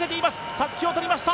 たすきを取りました、